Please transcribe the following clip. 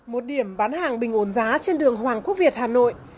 một điểm bán hàng bình ổn giá trên đường hoàng quốc việt hà nội